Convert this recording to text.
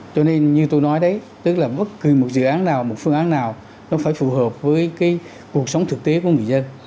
cho nên như tôi nói đấy tức là bất kỳ một dự án nào một phương án nào nó phải phù hợp với cái cuộc sống thực tế của người dân